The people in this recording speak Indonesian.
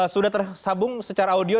sudah tersabung secara audio